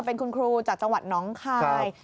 เป็นคุณครูจากจังหวัดน้องคาย